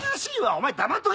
お前黙っとけ！